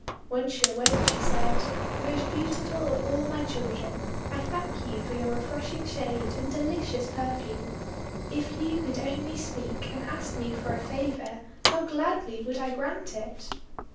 When she awoke, she said: — :*Most beautiful of all my children, I thank you for your refreshing shade and delicious per fume. If you could only speak, and ask me for a favour, how gladly would I grant it!'